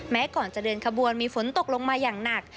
ก่อนจะเดินขบวนมีฝนตกลงมาอย่างหนัก